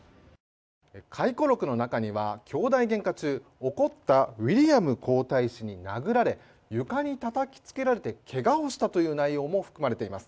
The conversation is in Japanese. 回顧録の中には兄弟げんか中起こったウィリアム皇太子に殴られ床にたたきつけられてけがをしたという内容も含まれています。